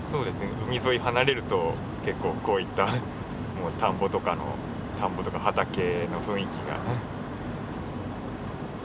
海沿い離れると結構こういった田んぼとかの田んぼとか畑の雰囲気がね。